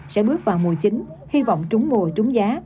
sẽ bước vào mùa chính hy vọng trúng mùa trúng giá